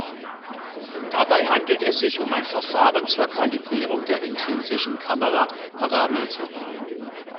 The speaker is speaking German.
Dabei handelt es sich um ein Verfahren zur Kalibrierung der intrinsischen Kameraparameter.